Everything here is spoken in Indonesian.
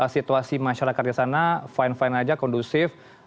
situasi masyarakat di sana fine fine aja kondusif